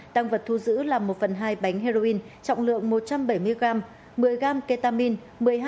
tăng vật thu giữ là một phần hai bánh heroin trọng lượng một trăm bảy mươi gram một mươi gram ketamine